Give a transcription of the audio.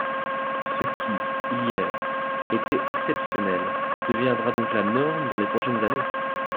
Ce qui, hier, était exceptionnel deviendra donc la norme dans les prochaines années.